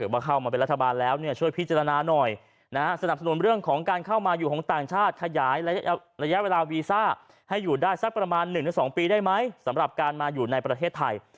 ประมาณ๑๒ปีได้ไหมสำหรับการมาอยู่ในประเทศไทย